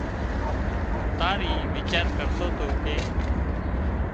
تار اي ويچار ڪرتو تو ڪي